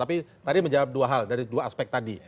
tapi tadi menjawab dua hal dari dua aspek tadi